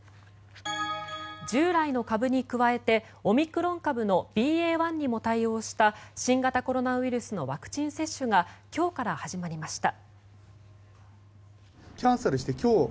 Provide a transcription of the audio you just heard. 従来の株に加えてオミクロン株のＢＡ．１にも対応した新型コロナウイルスのワクチン接種が今日から始まりました。